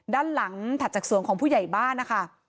ด้านหลังถัดจากส่วนของผู้ใหญ่บ้านนะคะ